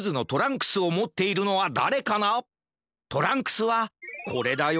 トランクスはこれだよ！